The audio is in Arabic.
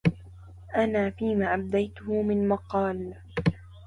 أنا فيما أبديته من مقال